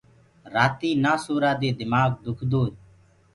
رآتي نآ سورآ دي دمآڪ دُکدوئي